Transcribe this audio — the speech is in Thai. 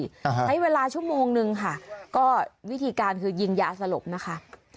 ใช้เวลาชั่วโมงนึงค่ะก็วิธีการคือยิงยาสลบนะคะ